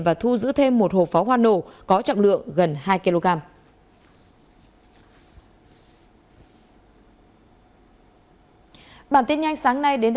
và thu giữ thêm một hộp pháo hoa nổ có trọng lượng gần hai kg